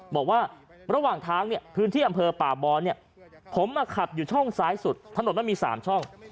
บอกว่าระหว่างทางเนี่ยพื้นที่อำเภอป่าบอลเนี่ยผมมาขับอยู่ช่องซ้ายสุดถนนมันมี๓ช่อง